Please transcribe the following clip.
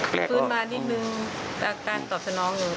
เกล็กออกฟื้นมานิดนึงเป็นปลาตอบสนองอยู่